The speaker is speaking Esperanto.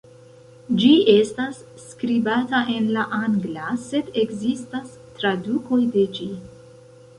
Ĝi estas skribata en la angla, sed ekzistas tradukoj de ĝi.